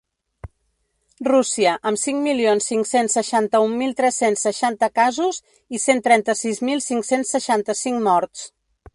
Rússia, amb cinc milions cinc-cents seixanta-un mil tres-cents seixanta casos i cent trenta-sis mil cinc-cents seixanta-cinc morts.